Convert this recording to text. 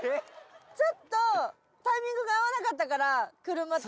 ちょっとタイミングが合わなかったから車と。